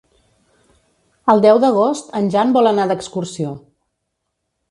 El deu d'agost en Jan vol anar d'excursió.